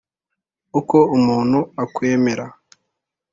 uko umuntu akwemera.